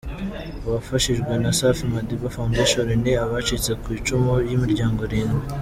Abafashijwe na Safi Madiba Foundation ni abacitse ku icumi b’imiryango irindwi.